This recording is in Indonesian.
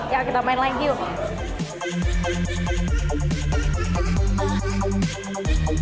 ya kita main lagi yuk